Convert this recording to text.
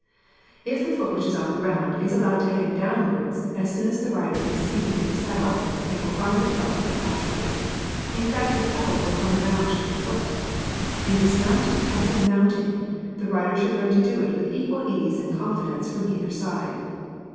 If the foot which was onthe ground is allowed to hang downwards as soon as the rider is seated in the saddle, it will find the pedal quite naturally, in fact the pedal will come round to the foot. In dismounting as in mounting, the rider should learn to do it with equal ease and confidence from either side.